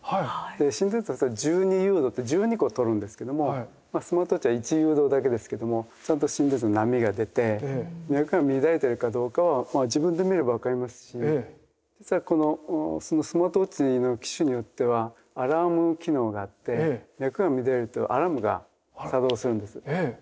心電図は１２誘導って１２個とるんですけどもスマートウォッチは１誘導だけですけどもちゃんと心電図の波が出て脈が乱れてるかどうかは自分で見ればわかりますし実はこのスマートウォッチの機種によってはアラーム機能があって脈が乱れるとアラームが作動するんです。